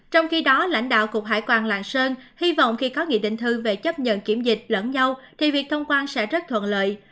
trong khi đó lãnh đạo cục hải quan lạng sơn hy vọng khi có nghị định thư về chấp nhận kiểm dịch lẫn nhau thì việc thông quan sẽ rất thuận lợi